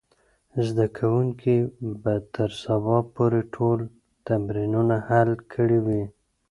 زده کوونکي به تر سبا پورې ټول تمرینونه حل کړي وي.